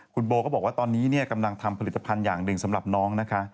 คุณโบก็บอกว่าตอนนี้กำลังทำผลิตภัณฑ์อย่างหนึ่งสำหรับน้องนะคะ